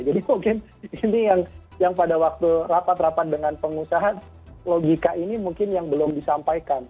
jadi mungkin ini yang pada waktu rapat rapat dengan pengusaha logika ini mungkin yang belum disampaikan